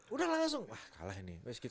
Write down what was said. udah langsung wah kalah ini